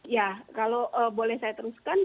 ya kalau boleh saya teruskan